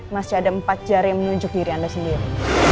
masih ada empat jari yang menunjuk diri anda sendiri